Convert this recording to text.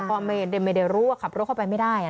ก็ไม่ได้รู้ว่าขับรถเข้าไปไม่ได้